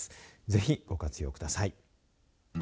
ぜひご活用ください。